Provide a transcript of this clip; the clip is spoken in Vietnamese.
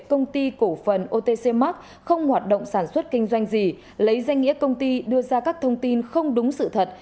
công ty cổ phần otc mark không hoạt động sản xuất kinh doanh gì lấy danh nghĩa công ty đưa ra các thông tin không đúng sự thật